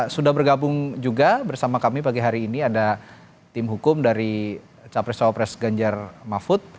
sudah bergabung juga bersama kami pagi hari ini ada tim hukum dari capres cawapres ganjar mahfud